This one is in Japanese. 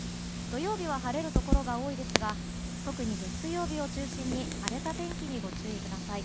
土曜日は晴れるところが多いですが特に月曜日を中心に荒れた天気にご注意ください。